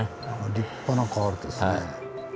立派なカールですね。